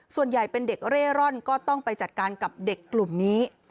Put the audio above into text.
ส่วนใหญ่เป็นเด็กเร่ร่อนก็ต้องไปจัดการกับเด็กกลุ่มนี้